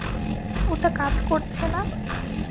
ওটা কাজ করছে না?